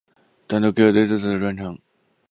他们都有各自的专长。